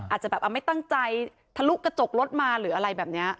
อาจจะแบบไม่ตั้งใจทะลุกระจกรถมาหรืออะไรแบบนี้